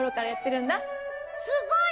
すごい！